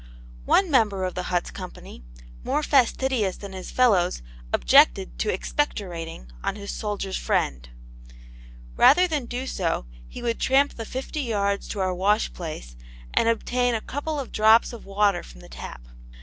One member of the hut's company, more fastidious than his fellows, objected to expectorating on to his Soldier's Friend. Rather than do so he would tramp the fifty yards to our wash place and obtain a couple of drops of water from the tap.